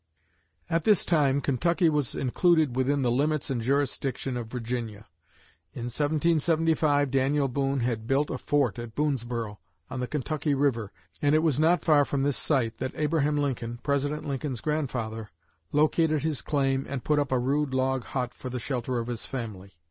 At this time Kentucky was included within the limits and jurisdiction of Virginia. In 1775 Daniel Boone had built a fort at Boonesborough, on the Kentucky river, and it was not far from this site that Abraham Lincoln, President Lincoln's grandfather, located his claim and put up a rude log hut for the shelter of his family.